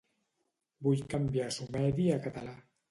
Vull canviar sumeri a català.